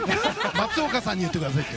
松岡さんに言ってくださいと。